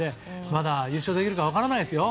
まだ優勝できるか分からないですよ。